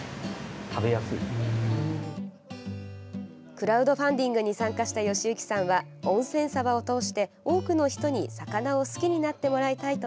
クラウドファンディングに参加した昌行さんは温泉サバを通して、多くの人に魚を好きになってもらいたいと